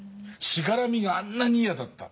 しがらみがあんなに嫌だった。